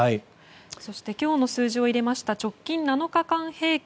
そして今日の数字を入れた直近７日間の平均